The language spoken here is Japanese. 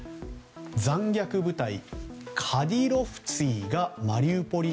残虐部隊カディロフツィがマリウポリ